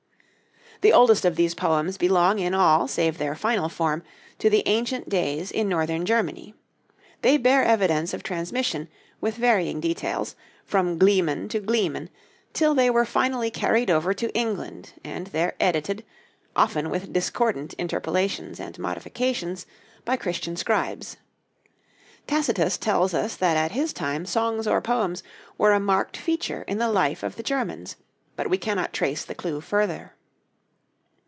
The oldest of these poems belong in all save their final form to the ancient days in Northern Germany. They bear evidence of transmission, with varying details, from gleeman to gleeman, till they were finally carried over to England and there edited, often with discordant interpolations and modifications, by Christian scribes. Tacitus tells us that at his time songs or poems were a marked feature in the life of the Germans; but we cannot trace the clue further.